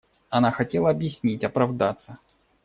Она хотела объяснить, оправдаться.